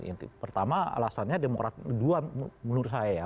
yang pertama alasannya dua menurut saya ya